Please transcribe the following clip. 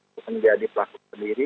bukan menjadi platform sendiri